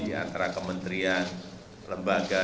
di antara kementerian lembaga